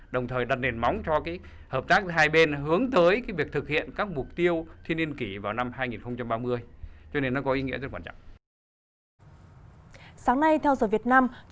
đồng thời đặt nền móng cho cái hợp tác hai bên hướng tới cái việc thực hiện các mục tiêu thiên nhiên kỷ vào năm hai nghìn ba mươi